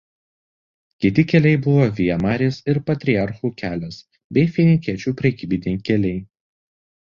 Kiti keliai buvo Via Maris ir Patriarchų kelias bei finikiečių prekybiniai keliai.